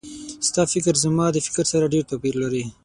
ستا فکر زما د فکر سره ډېر توپیر لري